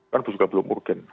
kan juga belum urgen